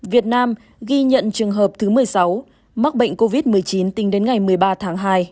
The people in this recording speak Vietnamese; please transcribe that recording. việt nam ghi nhận trường hợp thứ một mươi sáu mắc bệnh covid một mươi chín tính đến ngày một mươi ba tháng hai